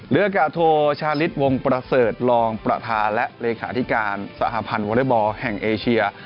อากาศโทชาลิศวงประเสริฐรองประธานและเลขาธิการสหพันธ์วอเล็กบอลแห่งเอเชีย